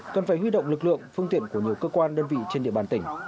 cần phải huy động lực lượng phương tiện của nhiều cơ quan đơn vị trên địa bàn tỉnh